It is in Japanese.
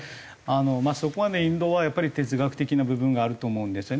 まあそこはねインドは哲学的な部分があると思うんですよね。